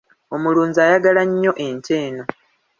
Omulunzi ayagala nnyo ente eno.